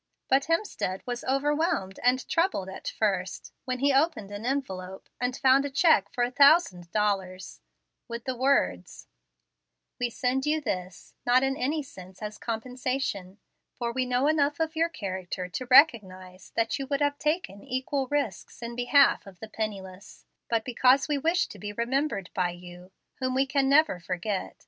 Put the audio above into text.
But Hemstead was overwhelmed and troubled at first, when he opened an envelope, and found a check for a thousand dollars, with the words: "We send you this, not in any sense as compensation, for we know enough of your character to recognize that you would have taken equal risks in behalf of the penniless, but because we wish to be remembered by you, whom we can never forget.